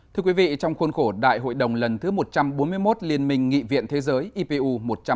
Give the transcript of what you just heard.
thưa quý vị trong khuôn khổ đại hội đồng lần thứ một trăm bốn mươi một liên minh nghị viện thế giới ipu một trăm bốn mươi